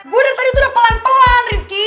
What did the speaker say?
gue dari tadi tuh udah pelan pelan rifki